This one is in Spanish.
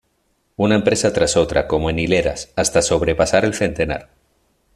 Una empresa tras otra, como en hileras, hasta sobrepasar el centenar.